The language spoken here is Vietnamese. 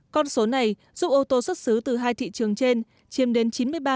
con số này giúp ô tô xuất xứ từ hai thị trường trên chiêm đến chín mươi năm